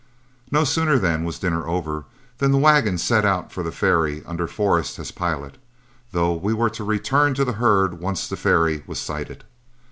No sooner, then, was dinner over than the wagon set out for the ferry under Forrest as pilot, though we were to return to the herd once the ferry was sighted.